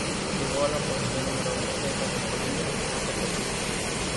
Llegó a la posición número uno en ventas en Colombia en poco tiempo.